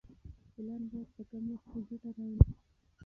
پلان باید په کم وخت کې ګټه راوړي.